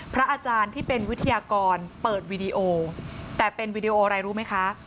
พระอาจารย์ที่เป็นวิทยากรเปิดวีดีโอแต่เป็นวีดีโออะไรรู้ไหมคะ